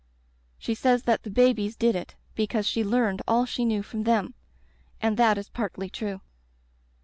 She says that the babies did it because she learned all she knew from them. And that is partly true.